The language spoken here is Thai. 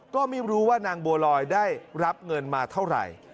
ก็ไม่รู้ว่านางบัวลอยได้รับเงินมาเท่าไหร่